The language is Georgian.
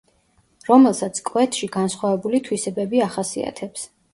რომელსაც კვეთში განსხვავებული თვისებები ახასიათებს.